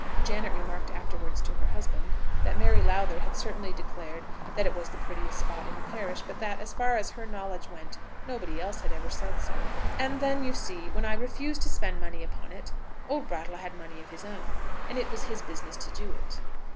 Janet remarked afterwards to her husband that Mary Lowther had certainly declared that it was the prettiest spot in the parish, but that, as far as her knowledge went, nobody else had ever said so. "And then, you see, when I refused to spend money upon it, old Brattle had money of his own, and it was his business to do it."